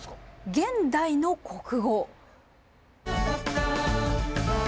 「現代の国語」。